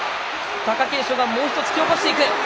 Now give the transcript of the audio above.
貴景勝がもう一度突き落としていく。